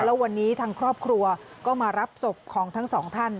แล้ววันนี้ทางครอบครัวก็มารับศพของทั้งสองท่าน